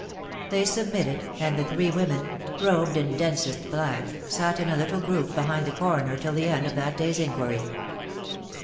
They submitted, and the three women, robed in densest black, sat in a little group behind the Coroner till the end of that day's inquiry.